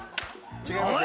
違いますよ